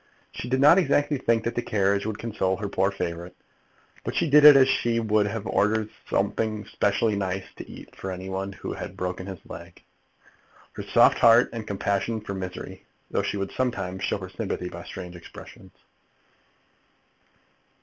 She did not exactly think that the carriage would console her poor favourite; but she did it as she would have ordered something specially nice to eat for any one who had broken his leg. Her soft heart had compassion for misery, though she would sometimes show her sympathy by strange expressions.